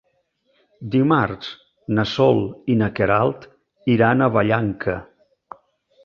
Dimarts na Sol i na Queralt iran a Vallanca.